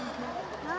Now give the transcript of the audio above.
gimana tuh pak